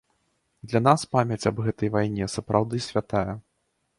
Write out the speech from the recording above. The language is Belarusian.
Для нас памяць аб гэтай вайне сапраўды святая.